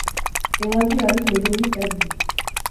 ელარჯი არის მეგრული კერძი